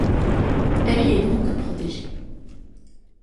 Elle y est donc protégée.